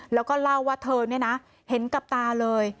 แล้วก็เล่าว่าเธอเห็นกลับตาเลย